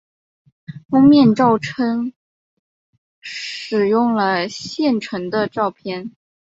封面照片使用了现成照片。